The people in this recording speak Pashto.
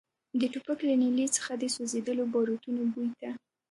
د ټوپک له نلۍ څخه د سوځېدلو باروتو بوی ته.